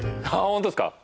ホントですか？